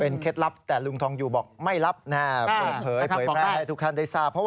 เป็นเคล็ดลับแต่ลุงทองอยู่บอกไม่ลับนะฮะเผยมาให้ทุกท่านได้รู้